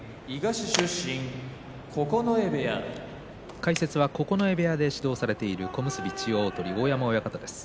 解説は九重部屋で指導している千代鳳の大山親方です。